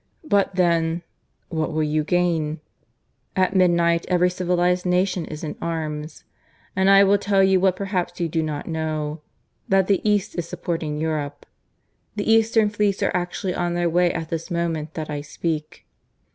But, then, what will you gain? At midnight every civilized nation is in arms. And I will tell you what perhaps you do not know that the East is supporting Europe. The Eastern fleets are actually on their way at this moment that I speak.